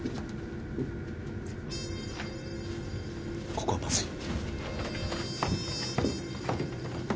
ここはまずい。